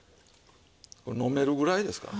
これ飲めるぐらいですから。